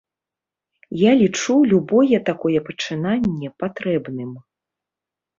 Я лічу любое такое пачынанне патрэбным.